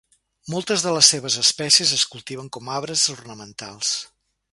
Moltes de les seves espècies es cultiven com a arbres ornamentals.